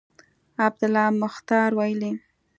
عبدالله مختیار ویلي